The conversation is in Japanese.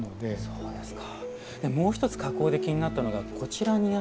そうですね。